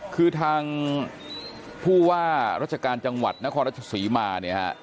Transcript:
คือทางผู้ว่าราชการจังหวัดนครราชศรีมาเนี่ยฮะ